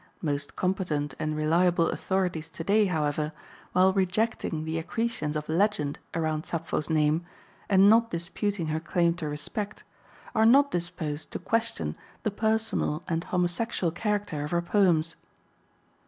Most competent and reliable authorities today, however, while rejecting the accretions of legend around Sappho's name and not disputing her claim to respect, are not disposed to question the personal and homosexual character of her poems.